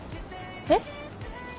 えっ？